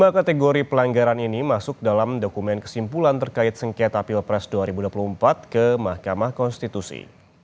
dua kategori pelanggaran ini masuk dalam dokumen kesimpulan terkait sengketa pilpres dua ribu dua puluh empat ke mahkamah konstitusi